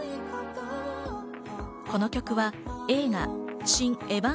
この曲は映画『シン・